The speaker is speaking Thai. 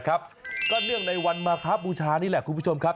ก็เนื่องในวันมาครับบูชานี่แหละคุณผู้ชมครับ